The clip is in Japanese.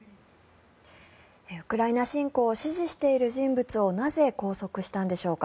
ウクライナ侵攻を支持している人物をなぜ拘束したんでしょうか。